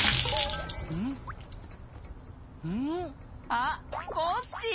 あっコッシー！